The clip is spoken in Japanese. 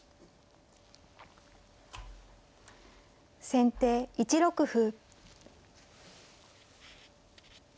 先手１六歩。